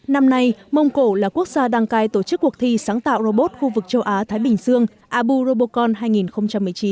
năm nay mông cổ là quốc gia đăng cai tổ chức cuộc thi sáng tạo robot khu vực châu á thái bình dương abu robocon hai nghìn một mươi chín